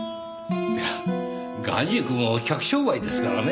いや画塾も客商売ですからね。